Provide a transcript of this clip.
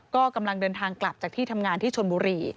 ก็กำลังเดินทางกลับจากที่ทำงานที่ชนบุรี